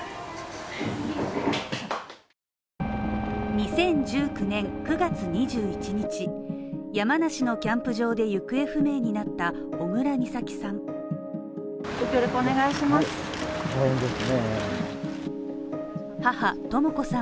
２０１９年９月２１日、山梨のキャンプ場で行方不明になった小倉美咲さん